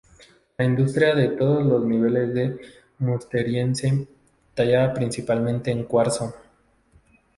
La industria de todos los niveles es musteriense, tallada principalmente en cuarzo.